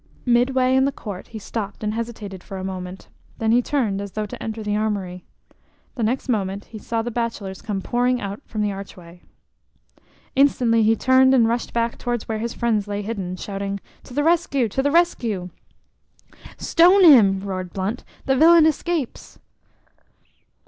Midway in the court he stopped and hesitated for a moment; then he turned as though to enter the armory. The next moment he saw the bachelors come pouring out from the archway. Instantly he turned and rushed back towards where his friends lay hidden, shouting: "To the rescue! To the rescue!" "Stone him!" roared Blunt. "The villain escapes!"